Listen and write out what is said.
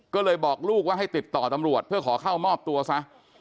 ก็เลยบอกลูกว่าให้ติดต่อตำรวจเพื่อขอเข้ามอบตัวซะ